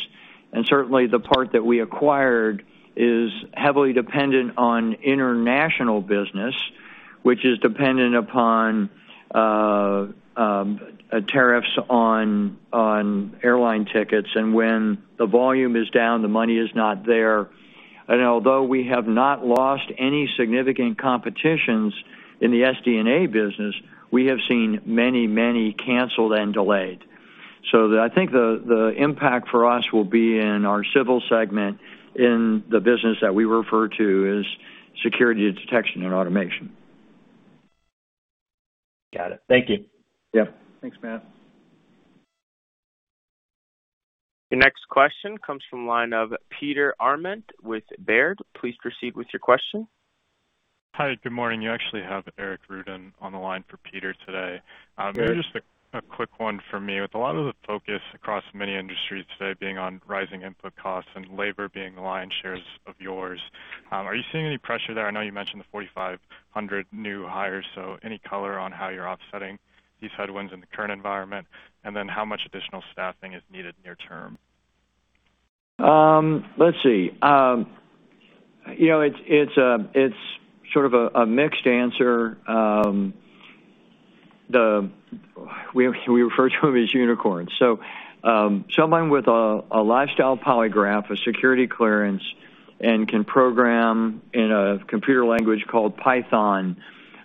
and certainly the part that we acquired, is heavily dependent on international business, which is dependent upon tariffs on airline tickets. When the volume is down, the money is not there. Although we have not lost any significant competitions in the SD&A business, we have seen many canceled and delayed. I think the impact for us will be in our civil segment, in the business that we refer to as Security Detection and Automation. Got it. Thank you. Yep. Thanks, Matt. Your next question comes from the line of Peter Arment with Baird. Please proceed with your question. Hi, good morning. You actually have Eric Ruden on the line for Peter today. Maybe just a quick one for me. With a lot of the focus across many industries today being on rising input costs and labor being the lion's share of yours, are you seeing any pressure there? I know you mentioned the 4,500 new hires. Any color on how you're offsetting these headwinds in the current environment? How much additional staffing is needed near-term? Let's see. It's sort of a mixed answer. We refer to them as unicorns. Someone with a lifestyle polygraph, a security clearance, and can program in a computer language called Python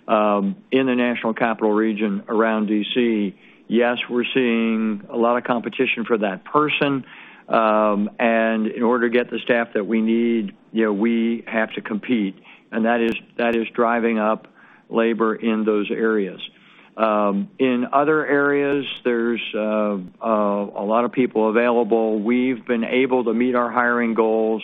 in the National Capital Region around D.C., yes, we're seeing a lot of competition for that person. In order to get the staff that we need, we have to compete. That is driving up labor in those areas. In other areas, there's a lot of people available. We've been able to meet our hiring goals.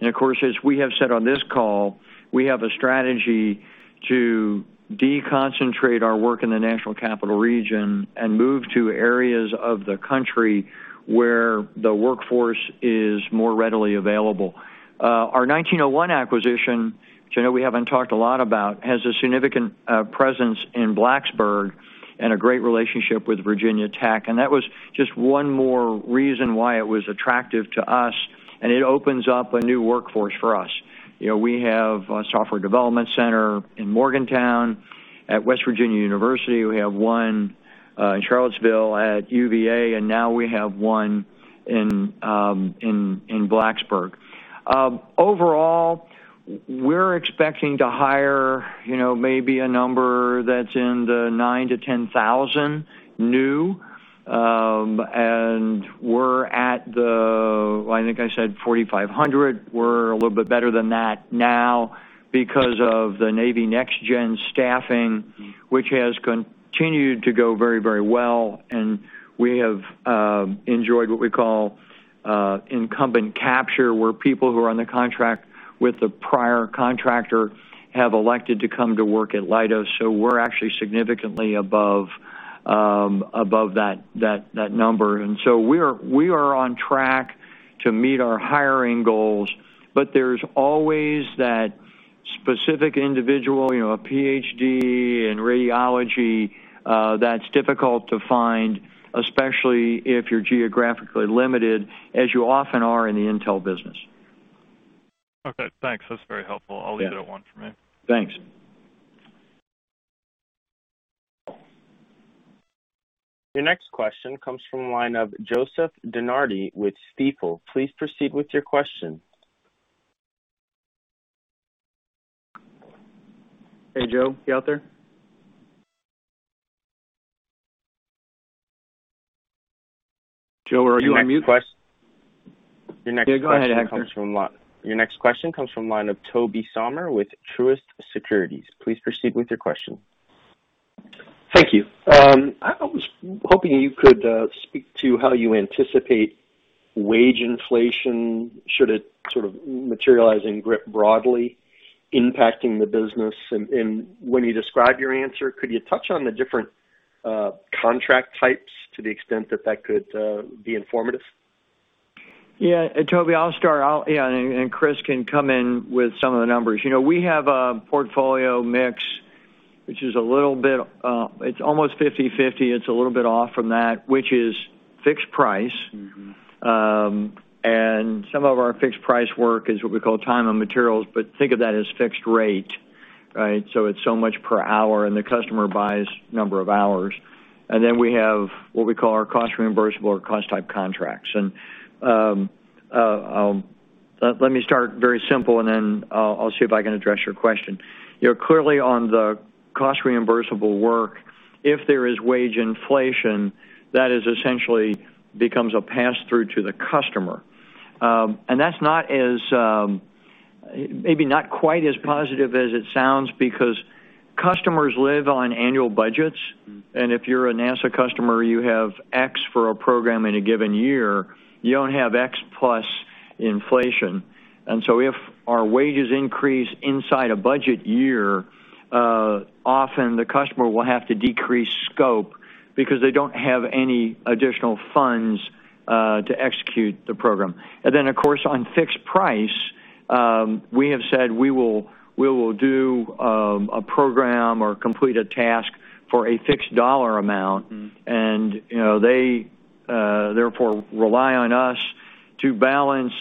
Of course, as we have said on this call, we have a strategy to deconcentrate our work in the National Capital Region and move to areas of the country where the workforce is more readily available. Our 1901 Group acquisition, which I know we haven't talked a lot about, has a significant presence in Blacksburg and a great relationship with Virginia Tech. That was just one more reason why it was attractive to us. It opens up a new workforce for us. We have a software development center in Morgantown at West Virginia University. We have one in Charlottesville at UVA. Now we have one in Blacksburg. Overall, we're expecting to hire maybe a number that's in the 9,000-10,000 new. We're at the, I think I said 4,500. We're a little bit better than that now because of the Navy NextGen staffing, which has continued to go very well. We have enjoyed what we call incumbent capture, where people who are on the contract with the prior contractor have elected to come to work at Leidos. We're actually significantly above that number. We are on track to meet our hiring goals, but there's always that specific individual, a PhD in radiology, that's difficult to find, especially if you're geographically limited, as you often are in the intel business. Okay, thanks. That's very helpful. I'll leave it at one for me. Thanks. Your next question comes from the line of Joseph DeNardi with Stifel. Please proceed with your question. Hey, Joe, you out there? Joe, are you on mute? Your next question Yeah, go ahead, Hector. Your next question comes from line of Tobey Sommer with Truist Securities. Please proceed with your question. Thank you. I was hoping you could speak to how you anticipate wage inflation, should it materialize broadly, impacting the business. When you describe your answer, could you touch on the different contract types to the extent that that could be informative? Yeah. Tobey, I'll start, and Chris can come in with some of the numbers. We have a portfolio mix, which is a little bit, it's almost 50/50. It's a little bit off from that, which is fixed price. Some of our fixed-price work is what we call time and materials, but think of that as fixed rate. It's so much per hour, and the customer buys number of hours. Then we have what we call our cost reimbursable or cost-type contracts. Let me start very simple, then I'll see if I can address your question. Clearly on the cost-reimbursable work, if there is wage inflation, that essentially becomes a pass-through to the customer. That's maybe not quite as positive as it sounds because customers live on annual budgets, and if you're a NASA customer, you have X for a program in a given year. You don't have X plus inflation. So if our wages increase inside a budget year, often the customer will have to decrease scope because they don't have any additional funds to execute the program. Of course, on fixed price, we have said we will do a program or complete a task for a fixed dollar amount. They therefore rely on us to balance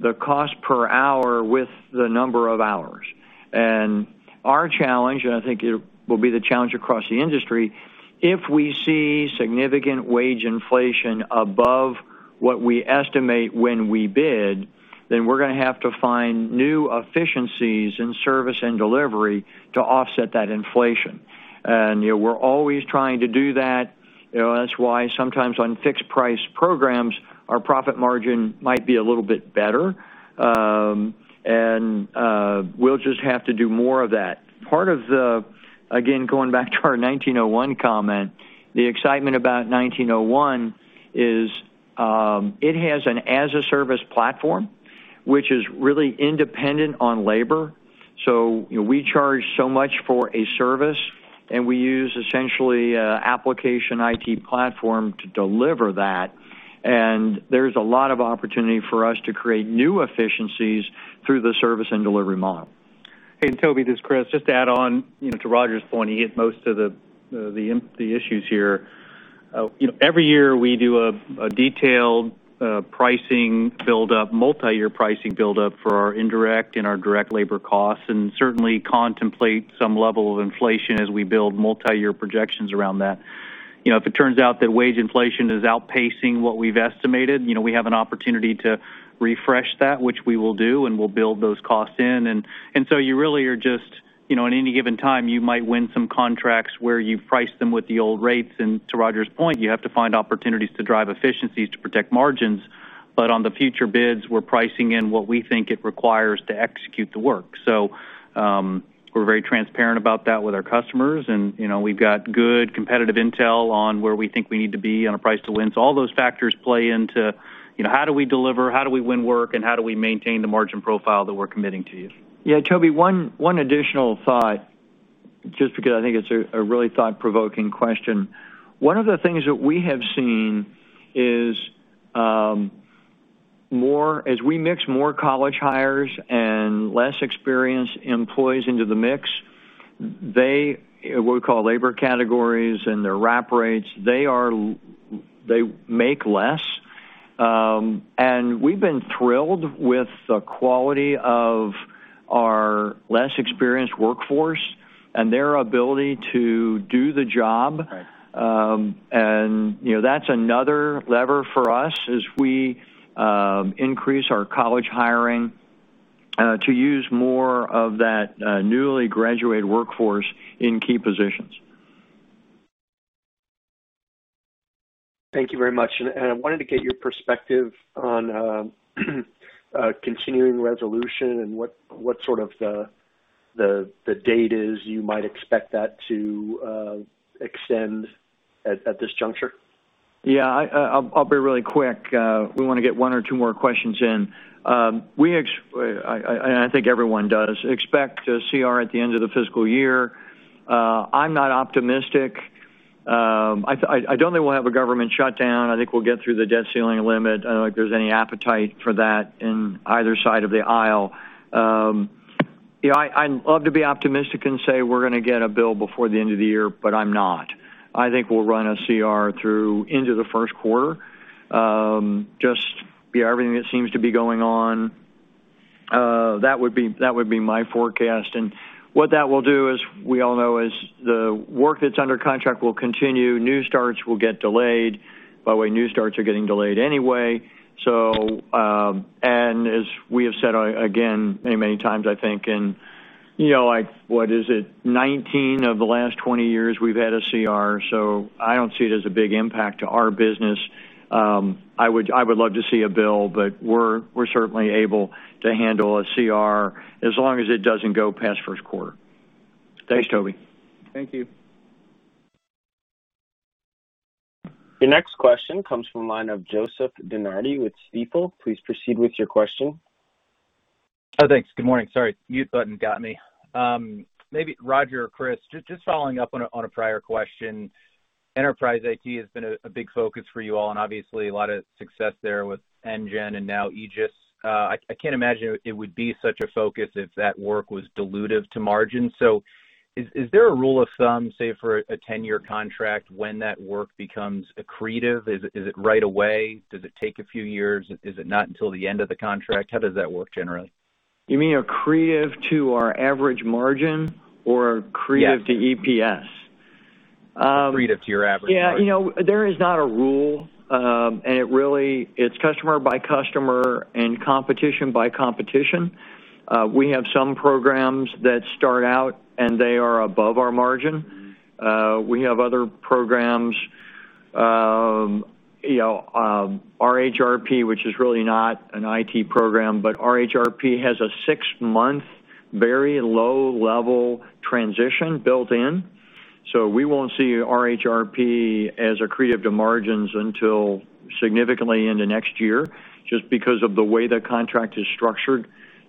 the cost per hour with the number of hours. Our challenge, and I think it will be the challenge across the industry, if we see significant wage inflation above what we estimate when we bid, then we're going to have to find new efficiencies in service and delivery to offset that inflation. We're always trying to do that. That's why sometimes on fixed-price programs, our profit margin might be a little bit better. We'll just have to do more of that. Part of the, again, going back to our 1901 comment, the excitement about 1901 is it has an as-a-service platform, which is really independent on labor. We charge so much for a service, and we use essentially application IT platform to deliver that. There's a lot of opportunity for us to create new efficiencies through the service and delivery model. Hey, Tobey, this is Chris. Just to add on to Roger's point, he hit most of the issues here. Every year, we do a detailed pricing build-up, multi-year pricing build-up for our indirect and our direct labor costs, certainly contemplate some level of inflation as we build multi-year projections around that. If it turns out that wage inflation is outpacing what we've estimated, we have an opportunity to refresh that, which we will do, we'll build those costs in. You really are just, at any given time, you might win some contracts where you've priced them with the old rates. To Roger's point, you have to find opportunities to drive efficiencies to protect margins. On the future bids, we're pricing in what we think it requires to execute the work. We're very transparent about that with our customers, and we've got good competitive intel on where we think we need to be on a price to win. All those factors play into how do we deliver, how do we win work, and how do we maintain the margin profile that we're committing to you. Yeah, Tobey, one additional thought, just because I think it's a really thought-provoking question. One of the things that we have seen is as we mix more college hires and less experienced employees into the mix, what we call labor categories and their wrap rates, they make less. We've been thrilled with the quality of our less experienced workforce and their ability to do the job. Right. That's another lever for us as we increase our college hiring to use more of that newly graduated workforce in key positions. Thank you very much. I wanted to get your perspective on continuing resolution and what sort of the date is you might expect that to extend at this juncture? Yeah, I'll be really quick. We want to get one or two more questions in. I think everyone does, expect a CR at the end of the fiscal year. I'm not optimistic. I don't think we'll have a government shutdown. I think we'll get through the debt ceiling limit. I don't think there's any appetite for that in either side of the aisle. I'd love to be optimistic and say we're going to get a bill before the end of the year, but I'm not. I think we'll run a CR through into the first quarter. Just everything that seems to be going on, that would be my forecast. What that will do, as we all know, is the work that's under contract will continue. New starts will get delayed. By the way, new starts are getting delayed anyway. As we have said, again, many times, I think, in what is it, 19 of the last 20 years we've had a CR. I don't see it as a big impact to our business. I would love to see a bill, but we're certainly able to handle a CR as long as it doesn't go past first quarter. Thanks, Tobey. Thank you. Your next question comes from the line of Joseph DeNardi with Stifel. Please proceed with your question. Oh, thanks. Good morning. Sorry, mute button got me. Maybe Roger or Chris, just following up on a prior question. Enterprise IT has been a big focus for you all, and obviously a lot of success there with NGEN and now AEGIS. I can't imagine it would be such a focus if that work was dilutive to margin. Is there a rule of thumb, say, for a 10-year contract when that work becomes accretive? Is it right away? Does it take a few years? Is it not until the end of the contract? How does that work generally? You mean accretive to our average margin or accretive to EPS? Accretive to your average margin. There is not a rule. It really, it's customer by customer and competition by competition. We have some programs that start out, and they are above our margin. We have other programs, RHRP, which is really not an IT program, but RHRP has a 6-month, very low-level transition built in. We won't see RHRP as accretive to margins until significantly into next year, just because of the way the contract is structured.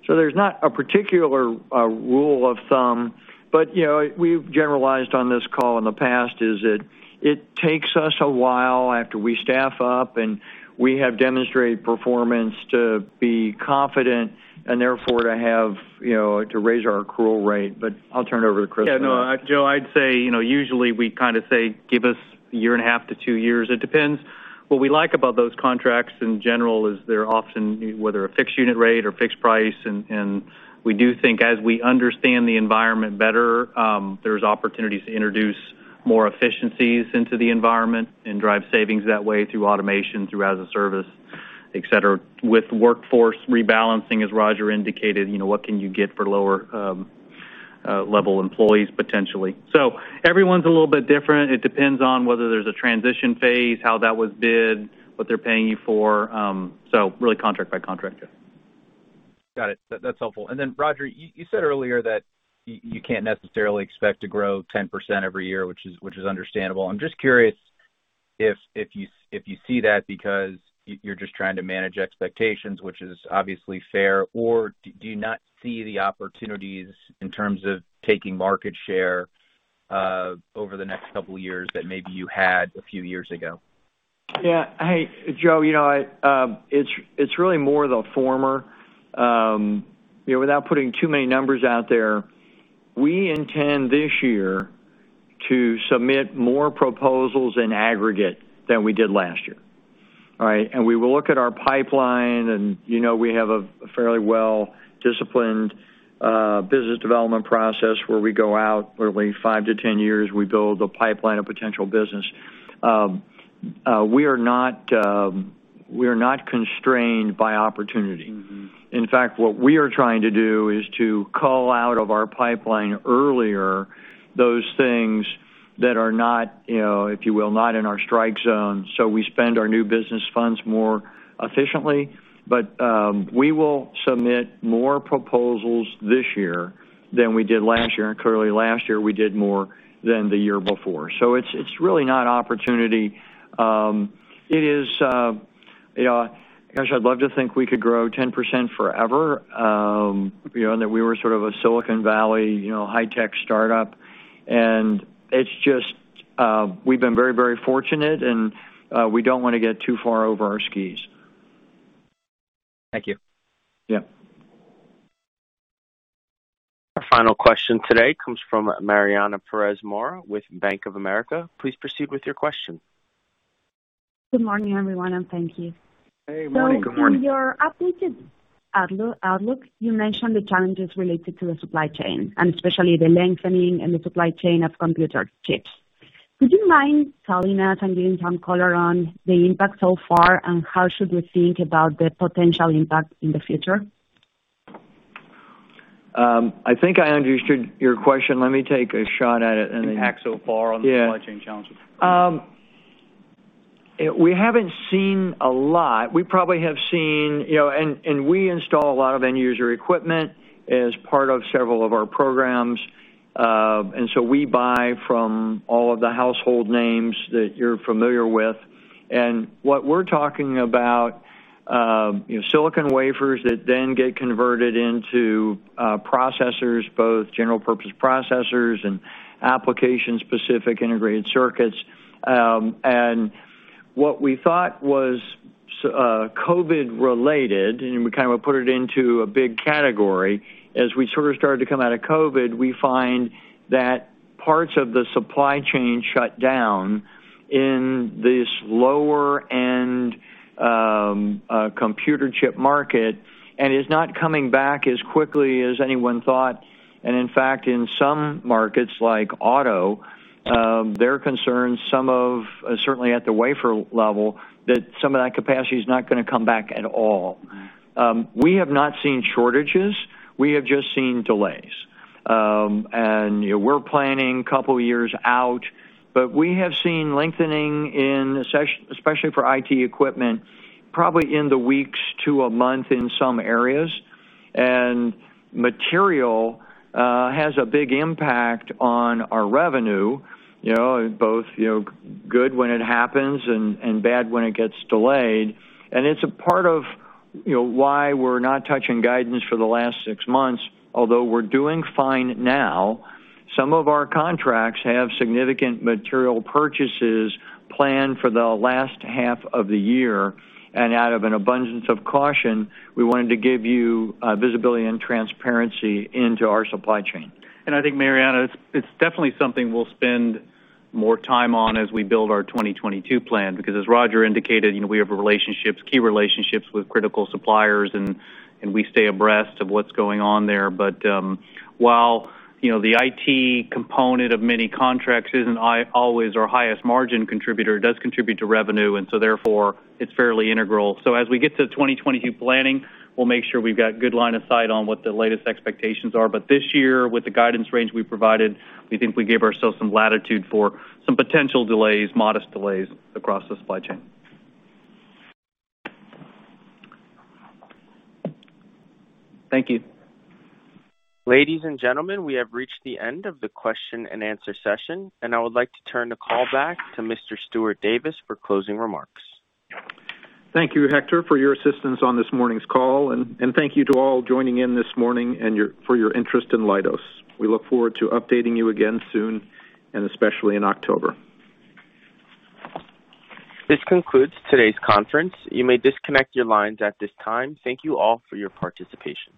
There's not a particular rule of thumb, but we've generalized on this call in the past, is that it takes us a while after we staff up and we have demonstrated performance to be confident and therefore to raise our accrual rate. I'll turn it over to Chris now. Joe, I'd say, usually we say give us a year and a half to two years. It depends. What we like about those contracts, in general, is they're often, whether a fixed unit rate or fixed price. We do think as we understand the environment better, there's opportunities to introduce more efficiencies into the environment and drive savings that way through automation, through as-a-service, et cetera. With workforce rebalancing, as Roger indicated, what can you get for lower-level employees, potentially. Everyone's a little bit different. It depends on whether there's a transition phase, how that was bid, what they're paying you for. Really contract by contract. Got it. That's helpful. Roger, you said earlier that you can't necessarily expect to grow 10% every year, which is understandable. I'm just curious if you see that because you're just trying to manage expectations, which is obviously fair, or do you not see the opportunities in terms of taking market share over the next couple of years that maybe you had a few years ago? Yeah. Hey, Joe, it is really more the former. Without putting too many numbers out there, we intend this year to submit more proposals in aggregate than we did last year. All right? We will look at our pipeline, and we have a fairly well-disciplined business development process where we go out, literally 5 years-10 years, we build a pipeline of potential business. We are not constrained by opportunity. In fact, what we are trying to do is to cull out of our pipeline earlier those things that are not, if you will, not in our strike zone. We spend our new business funds more efficiently, but we will submit more proposals this year than we did last year. Clearly last year, we did more than the year before. It's really not opportunity. Gosh, I'd love to think we could grow 10% forever, and that we were sort of a Silicon Valley, high-tech startup. It's just, we've been very fortunate, and we don't want to get too far over our skis. Thank you. Yeah. Our final question today comes from Mariana Perez Mora with Bank of America. Please proceed with your question. Good morning, everyone, and thank you. Hey, morning. Good morning. In your updated outlook, you mentioned the challenges related to the supply chain, and especially the lengthening in the supply chain of computer chips. Would you mind telling us and giving some color on the impact so far, and how should we think about the potential impact in the future? I think I understood your question. Let me take a shot at it. Impact so far on the supply chain challenges. We haven't seen a lot. We install a lot of end-user equipment as part of several of our programs. We buy from all of the household names that you're familiar with. What we're talking about, silicon wafers that then get converted into processors, both general-purpose processors and application-specific integrated circuits. What we thought was COVID-related, and we kind of put it into a big category. As we sort of started to come out of COVID, we find that parts of the supply chain shut down in this lower-end computer chip market and is not coming back as quickly as anyone thought. In fact, in some markets like auto, there are concerns, certainly at the wafer level, that some of that capacity is not going to come back at all. We have not seen shortages. We have just seen delays. We're planning a couple of years out, but we have seen lengthening, especially for IT equipment, probably in the weeks to a month in some areas. Material has a big impact on our revenue, both good when it happens and bad when it gets delayed. It's a part of why we're not touching guidance for the last six months, although we're doing fine now. Some of our contracts have significant material purchases planned for the last half of the year, and out of an abundance of caution, we wanted to give you visibility and transparency into our supply chain. I think, Mariana, it's definitely something we'll spend more time on as we build our 2022 plan, because as Roger indicated, we have key relationships with critical suppliers, and we stay abreast of what's going on there. While the IT component of many contracts isn't always our highest margin contributor, it does contribute to revenue, and so therefore, it's fairly integral. As we get to 2022 planning, we'll make sure we've got good line of sight on what the latest expectations are. This year, with the guidance range we provided, we think we gave ourselves some latitude for some potential delays, modest delays across the supply chain. Thank you. Ladies and gentlemen, we have reached the end of the question and answer session. I would like to turn the call back to Mr. Stuart Davis for closing remarks. Thank you, Hector, for your assistance on this morning's call, and thank you to all joining in this morning and for your interest in Leidos. We look forward to updating you again soon, and especially in October. This concludes today's conference. You may disconnect your lines at this time. Thank you all for your participation.